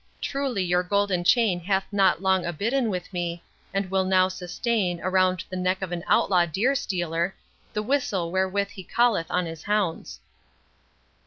Truly your golden chain hath not long abidden with me, and will now sustain, around the neck of an outlaw deer stealer, the whistle wherewith he calleth on his hounds."